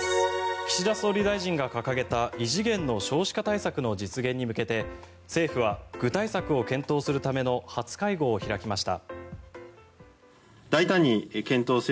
岸田総理大臣が掲げた異次元の少子化対策の実現に向けて政府は具体策を検討するための初会合を開きました。